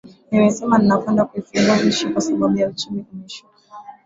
Nimesema ninakwenda kuifungua nchi kwa sababu uchumi umeshuka